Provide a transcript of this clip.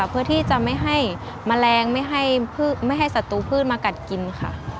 เพื่อที่จะไม่ให้แมลงไม่ให้สัตรูพืชมากัดกินค่ะ